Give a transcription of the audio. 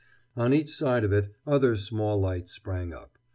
On each side of it other small lights sprang up.